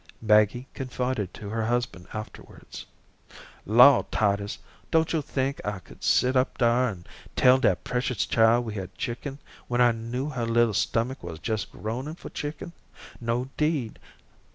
Maggie confided to her husband afterwards: "Law, Titus, does yo' tink I could sit up dar an' tell dat precious chile we had chicken when I knew her little stomack was jes' groanin' for chicken? No, 'deed.